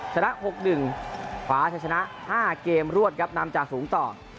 ชนะ๖๑ขวาจะชนะ๕เกมรวดครับนำจ่าฝูงต่อ